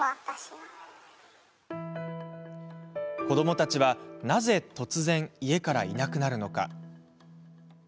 子どもたちはなぜ突然家からいなくなるのか？